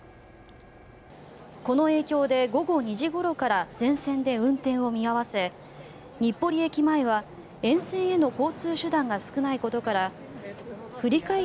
この影響で午後２時ごろから全線で運転を見合わせ日暮里駅前は沿線への交通手段が少ないことから振り替え